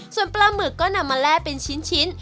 ส่วนปลาหมึกก็นำมาแล่เป็นชิ้น